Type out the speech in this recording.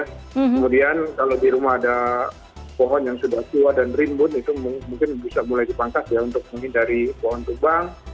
kemudian kalau di rumah ada pohon yang sudah tua dan rimbun itu mungkin bisa mulai dipangkas ya untuk menghindari pohon tumbang